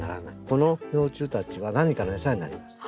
この幼虫たちは何かのエサになります。